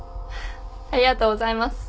ありがとうございます。